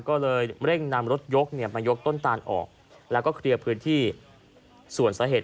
ก็เลยเร่งนำรถยกเนี่ยมายกต้นตาลออกแล้วก็เคลียร์พื้นที่ส่วนสาเหตุ